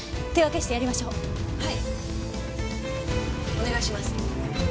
お願いします。